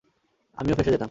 আমিও ফেঁসে যেতাম।